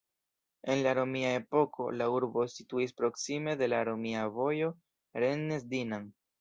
En la romia epoko, la urbo situis proksime de la romia vojo Rennes-Dinan.